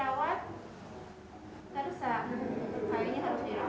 bukan ini pamping dirawat